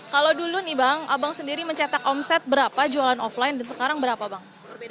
kalau dulu nih bang abang sendiri mencetak omset berapa jualan offline dan sekarang berapa bang